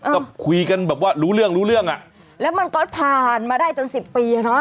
ก็คุยกันแบบว่ารู้เรื่องรู้เรื่องอ่ะแล้วมันก็ผ่านมาได้จนสิบปีอ่ะเนอะ